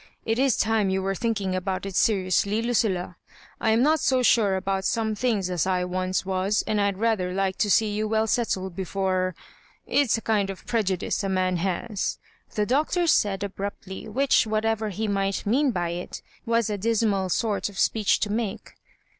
" It is time you were thinking about it seriously, Lucilla. I am not so sure about some things as I once was, and I'd rather like to see you well settled before — It's a kind of prejudice a man has," the Doctor said abruptly, which, whatever be might mean by it, was a dismal sort of speech to make.